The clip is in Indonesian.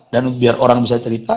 dan biar orang bisa cerita